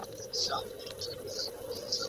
پرون مو یو نوی میز جوړ کړ.